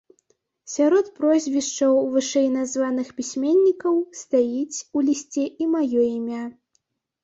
Сярод прозвішчаў вышэйназваных пісьменнікаў стаіць у лісце і маё імя.